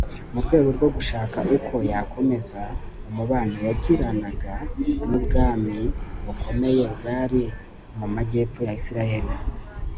mu rwego rwo gushaka uko yakomeza umubano yagiranaga n'ubwami bukomeye bwari mu majyepfo ya isirayeli